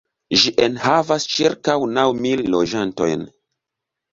Ĝi enhavas ĉirkaŭ naŭ mil loĝantojn.